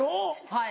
はい。